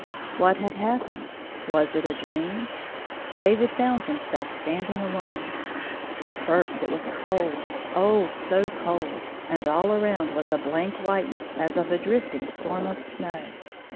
« What had happened? Was it a dream 1 David found himself standing alone. At first it was cold — oh, so cold — and all around was a blank whiteness as of a drifting storm of snow.